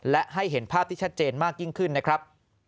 และให้เห็นภาพที่ชัดเจนมากยิ่งขึ้นนะครับ